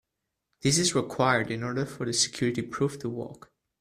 This is required in order for the security proof to work.